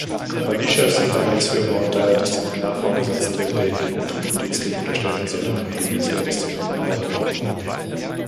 Kompaniechefs sind Einheitsführer und daher Disziplinarvorgesetzte der ihnen truppendienstlich unterstellten Soldaten gemäß Wehrdisziplinarordnung.